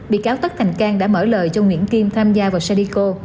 bị cáo tất thành cang đã mở lời cho nguyễn kim tham gia vào sadico